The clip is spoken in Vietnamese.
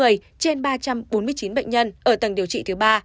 trên ba trăm bốn mươi chín bệnh nhân ở tầng điều trị thứ ba